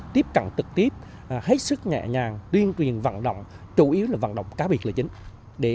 tiếp cận trực tiếp hết sức nhẹ nhàng tuyên truyền vận động chủ yếu là vận động cá biệt là chính